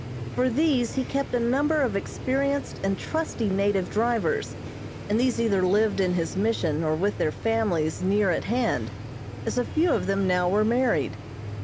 For these he kept a number of experienced and trusty native drivers, and these either lived in his Mission or with their families near at hand, as a few of them now were married.